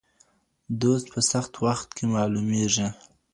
دوست په سخت وخت کي معلومېږي